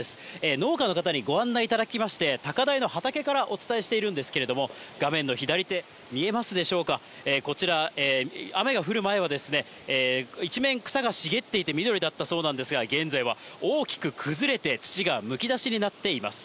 農家の方にご案内いただきまして、高台の畑からお伝えしているんですけれども、画面の左手、見えますでしょうか、こちら、雨が降る前は一面、草が茂っていて緑だったそうなんですが、現在は大きく崩れて、土がむき出しになっています。